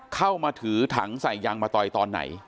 เข้ามาถือถังใส่ยางมะตอยตอนไหน